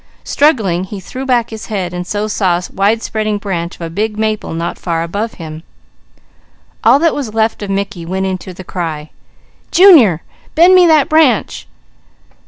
Struggling he threw back his head and so saw a widespreading branch of a big maple not far above him. All that was left of Mickey went into the cry: "Junior! Bend me that branch!"